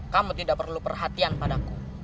kamu tidak perlu perhatian padaku